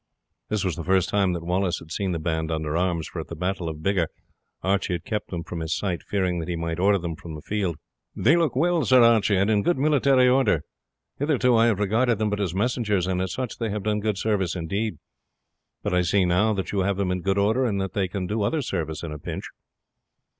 This was the first time that Wallace had seen the band under arms, for at the battle of Biggar, Archie had kept them from his sight, fearing that he might order them from the field. "They look well, Sir Archie, and in good military order. Hitherto I have regarded them but as messengers, and as such they have done good service indeed; but I see now that you have them in good order, and that they can do other service on a pinch."